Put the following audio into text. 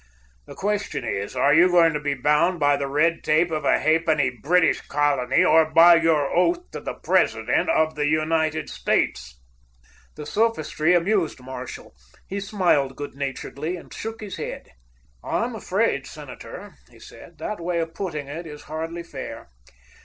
The question is, are you going to be bound by the red tape of a ha'penny British colony, or by your oath to the President of the United States?" The sophistry amused Marshall. He smiled good naturedly and shook his head. "I'm afraid, Senator," he said, "that way of putting it is hardly fair.